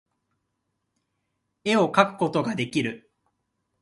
絵描くことができる